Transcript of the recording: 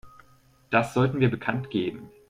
Das sollten wir bekanntgeben.